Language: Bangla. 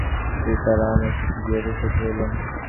অন্তঃপুরের দ্বারে হাতপা-বাঁধা সীতারামের কাছে গিয়া উপস্থিত হইলেন।